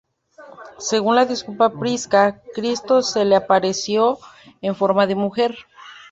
Según la discípula Prisca, Cristo se le apareció en forma de mujer.